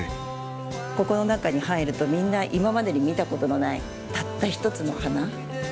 ここの中に入るとみんな今までに見たことのないたった一つの花。